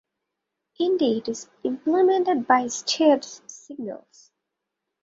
In D it is implemented by std.signals.